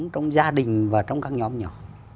trong gia đình và trong các nhóm nhỏ